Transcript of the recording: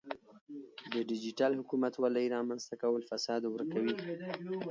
د ډیجیټل حکومتولۍ رامنځته کول فساد ورکوي.